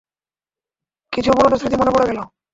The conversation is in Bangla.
কিছু পুরনো স্মৃতি মনে পড়ে গেল।